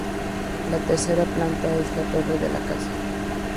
La tercera planta es la torre de la casa.